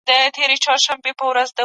پيغمبر د مظلوم غږ اورېده.